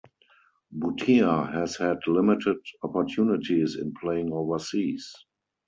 Bhutia has had limited opportunities in playing overseas.